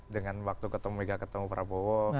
dengan waktu ketemu mega ketemu prabowo